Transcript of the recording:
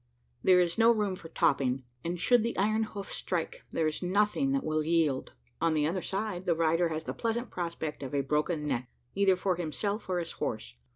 There is no room for "topping;" and should the iron hoof strike, there is nothing that will yield. On the other side, the rider has the pleasant prospect of a broken neck either for himself or his horse.